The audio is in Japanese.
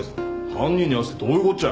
犯人に会わすってどういうこっちゃ。